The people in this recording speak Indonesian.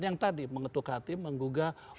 yang tadi mengetuk hati menggugah